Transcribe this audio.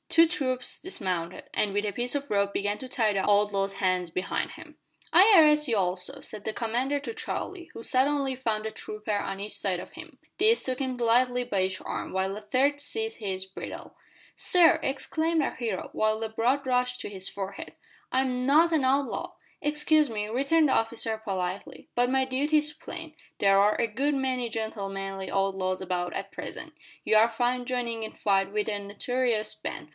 Two troopers dismounted, and with a piece of rope began to tie the outlaw's hands behind him. "I arrest you also," said the commander to Charlie, who suddenly found a trooper on each side of him. These took him lightly by each arm, while a third seized his bridle. "Sir!" exclaimed our hero, while the blood rushed to his forehead, "I am not an outlaw!" "Excuse me," returned the officer politely, "but my duty is plain. There are a good many gentlemanly outlaws about at present. You are found joining in fight with a notorious band.